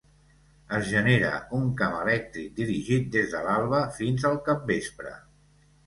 Es genera un camp elèctric, dirigit des de l'alba fins al capvespre.